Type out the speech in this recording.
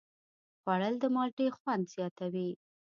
خوړل د مالټې خوند زیاتوي